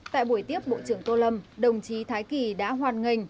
tại buổi tiếp bộ trưởng tô lâm đồng chí thái kỳ đã hoàn ngành